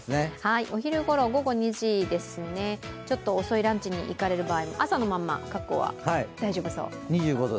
お昼頃、午後２時ですね、ちょっと遅いランチに行かれる場合も朝のまんま、格好は大丈夫そう。